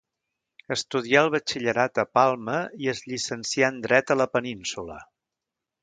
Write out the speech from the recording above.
Estudià el batxillerat a Palma i es llicencià en dret a la Península.